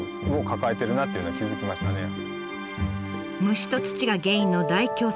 虫と土が原因の大凶作。